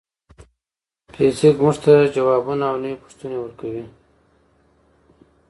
فزیک موږ ته ځوابونه او نوې پوښتنې ورکوي.